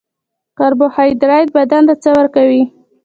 کاربوهایدریت بدن ته څه ورکوي